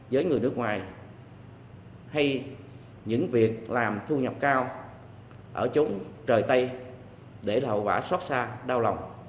với người nước ngoài hay những việc làm thu nhập cao ở chốn trời tây để lậu vã xót xa đau lòng